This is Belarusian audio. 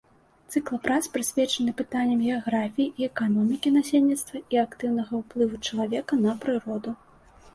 Цыкл прац прысвечаны пытанням геаграфіі і эканомікі насельніцтва і актыўнага ўплыву чалавека на прыроду.